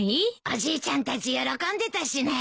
おじいちゃんたち喜んでたしね。